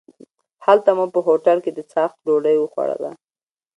هلته مو په هوټل کې د څاښت ډوډۍ وخوړله.